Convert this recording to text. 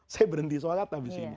saya berhenti sholat abis ini